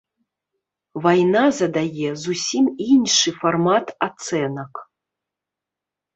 Вайна задае зусім іншы фармат ацэнак.